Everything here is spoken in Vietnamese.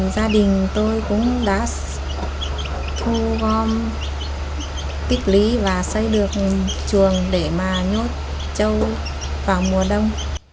gia đình tôi cũng đã thu gom tích lý và xây được chuồng để mà nhốt trâu vào mùa đông